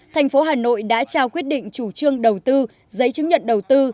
thành phố hà nội đã trao quyết định chủ trương đầu tư giấy chứng nhận đầu tư